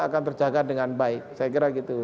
akan terjaga dengan baik saya kira gitu